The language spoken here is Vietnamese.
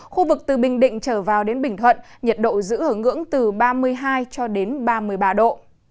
khu vực từ bình định trở vào đến bình thuận nhiệt độ giữ ở ngưỡng từ ba mươi hai cho đến ba mươi ba độ